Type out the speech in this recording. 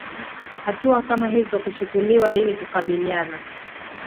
hatua kama hizo kuchukuliwa ili kukabiliana